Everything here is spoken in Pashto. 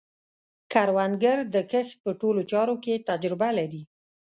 کروندګر د کښت په ټولو چارو کې تجربه لري